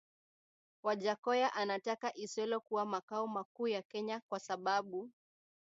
Wajackoya anataka Isiolo kuwa makao makuu ya Kenya kwa sababu